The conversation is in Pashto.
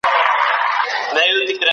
که سياستوال رښتيني وي هيواد جوړيږي.